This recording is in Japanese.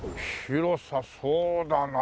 広さそうだなあ